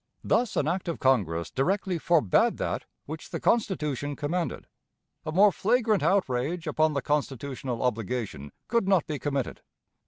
Thus an act of Congress directly forbade that which the Constitution commanded. A more flagrant outrage upon the constitutional obligation could not be committed.